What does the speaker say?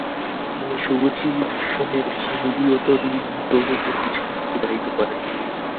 তিনি সুবোচি শুমের শিঙ্গিয়োতো রিয়ু ডোজোতেও কিছু দিন অতিবাহিত করেন।